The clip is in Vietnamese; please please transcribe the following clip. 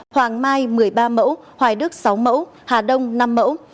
hoàng mai một mươi ba mẫu hoài đức sáu mẫu hà đông năm mẫu